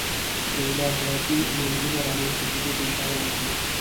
د الهیاتي منظومو رامنځته کېدو ته اشاره وکړو.